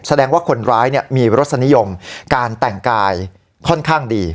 แสดงว่าคนร้ายมีรสนิยมการแต่งกายค่อนข้างดี